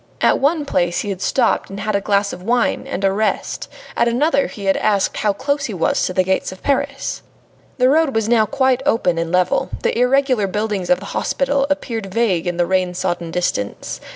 At one place he had stopped and had a glass of wine and a rest, at another he had asked how close he was to the gates of Paris. The road was now quite open and level; the irregular buildings of the hospital appeared vague in the rain sodden distance.